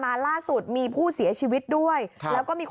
บ้านมันถล่มมานะฮะคุณผู้ชมมาล่าสุดมีผู้เสียชีวิตด้วยแล้วก็มีคนติดอยู่ภายในด้วย